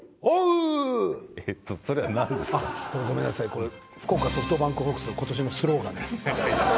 これ福岡ソフトバンクホークスの今年のスローガンです。